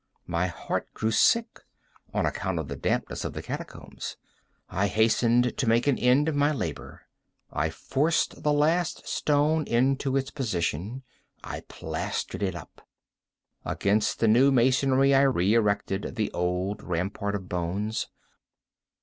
My heart grew sick—on account of the dampness of the catacombs. I hastened to make an end of my labor. I forced the last stone into its position; I plastered it up. Against the new masonry I re erected the old rampart of bones.